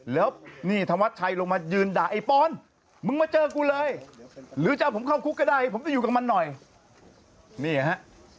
แล้วนี่ธวัดชัยลงมายืนด่าไอ้ปอนมึงมาเจอกูเลยหรือจะเอาผมเข้าคุกก็ได้ผมจะอยู่กับมันหน่อยนี่ฮะ